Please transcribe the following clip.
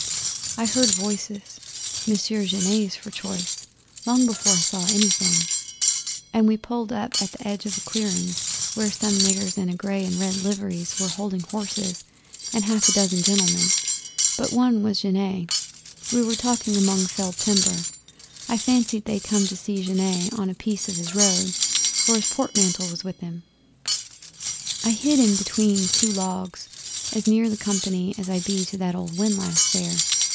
I heard voices Monsieur Genet's for choice long before I saw anything, and we pulled up at the edge of a clearing where some niggers in grey and red liveries were holding horses, and half a dozen gentlemen but one was Genet were talking among felled timber. I fancy they'd come to see Genet a piece on his road, for his portmantle was with him. I hid in between two logs as near to the company as I be to that old windlass there.